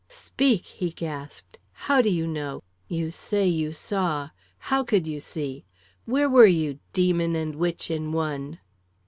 "' "Speak!" he gasped. "How do you know? You say you saw. How could you see? Where were you, demon and witch in one?"